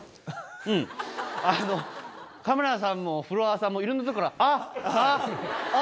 あのカメラさんもフロアさんもいろんなとこから。